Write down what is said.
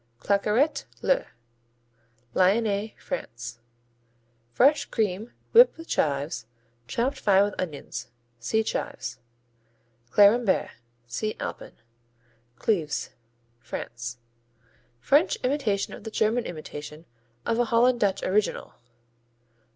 Claqueret, le Lyonnais, France Fresh cream whipped with chives, chopped fine with onions. See Chives. Clérimbert see Alpin. Cleves France French imitation of the German imitation of a Holland Dutch original.